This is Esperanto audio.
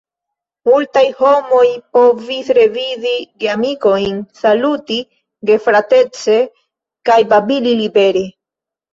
Multaj homoj povis revidi geamikojn, saluti gefratece, kaj babili libere.